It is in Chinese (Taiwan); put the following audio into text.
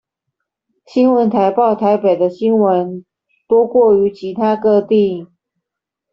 新聞台報台北的新聞多過於其他各地